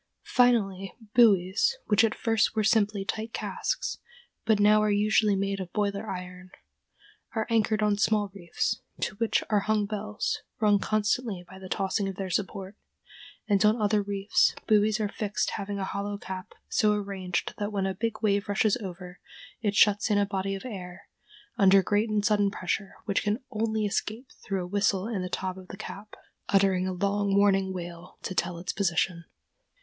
Finally, buoys, which at first were simply tight casks, but now are usually made of boiler iron, are anchored on small reefs, to which are hung bells, rung constantly by the tossing of their support; and on other reefs buoys are fixed having a hollow cap so arranged that when a big wave rushes over, it shuts in a body of air, under great and sudden pressure, which can only escape through a whistle in the top of the cap, uttering a long warning wail to tell its position.